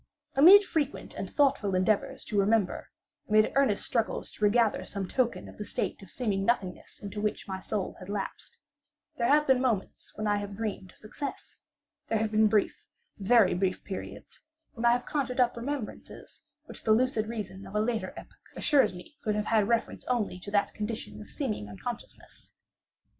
Amid frequent and thoughtful endeavors to remember; amid earnest struggles to regather some token of the state of seeming nothingness into which my soul had lapsed, there have been moments when I have dreamed of success; there have been brief, very brief periods when I have conjured up remembrances which the lucid reason of a later epoch assures me could have had reference only to that condition of seeming unconsciousness.